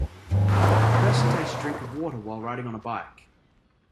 A person takes a drink of water while riding on a bike.